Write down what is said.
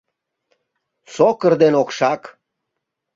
СОКЫР ДЕН ОКШАК